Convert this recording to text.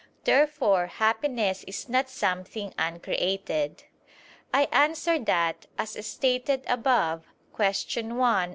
Therefore happiness is not something uncreated. I answer that, As stated above (Q. 1, A.